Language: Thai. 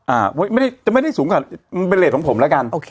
อ้าวเฮ้ยไม่ได้สูงกว่ามันเป็นระเบิดของผมแล้วกัน